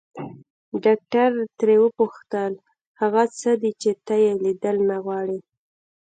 ډاکټر ترې وپوښتل هغه څه دي چې ته يې ليدل نه غواړې.